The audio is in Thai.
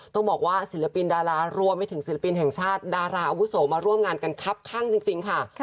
ต้องบอกว่าศิลปินดารารวมไปถึงศิลปินแห่งชาติดาราอาวุโสมาร่วมงานกันครับข้างจริงค่ะ